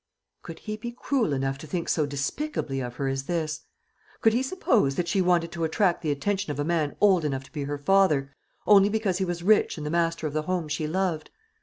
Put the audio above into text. Could he be cruel enough to think so despicably of her as this? Could he suppose that she wanted to attract the attention of a man old enough to be her father, only because he was rich and the master of the home she loved?